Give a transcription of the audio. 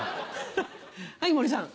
はい森さん。